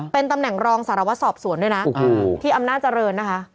เป็นตำแหน่งรองสารวัตรสอบสวนด้วยนะที่อำนาจเจริญนะคะ